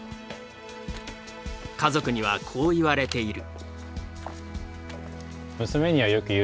家族にはこう言われている。